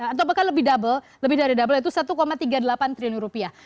atau apakah lebih dari double itu satu tiga puluh delapan triliun rupiah